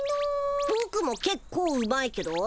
ぼくもけっこううまいけど。